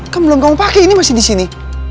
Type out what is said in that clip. kan belum kamu pakai ini masih di sini